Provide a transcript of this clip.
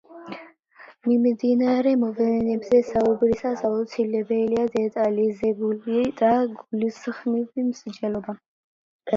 მიმდინარე მოვლენებზე საუბრისას აუცილებლია დეტალიზებული და გულისხმიერი მსჯელობა.